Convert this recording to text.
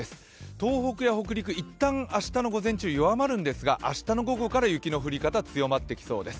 東北や北陸、一旦、明日の午前中弱まるんですが明日の午後から雪の降り方、強まってきそうです。